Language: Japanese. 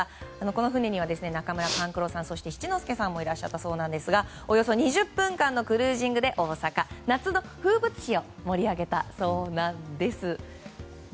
この船には中村勘九郎さん、七之助さんもいらっしゃったそうなんですがおよそ２０分間のクルージングで大阪夏の風物詩を盛り上げたそうなんです。